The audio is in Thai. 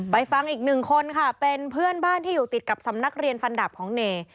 ไปฟังอีกหนึ่งคนค่ะเป็นเพื่อนบ้านที่อยู่ติดกับสำนักเรียนฟันดับของเน